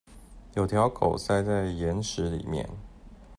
有條狗塞在岩石裡面